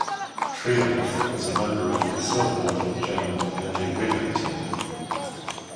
Trieloff was a member of the silver medal German medley relay team.